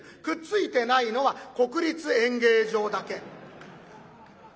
くっついてないのは国立演芸場だけ。